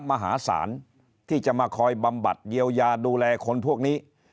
มหาศาลที่จะมาคอยบำบัดเยียวยาดูแลคนพวกนี้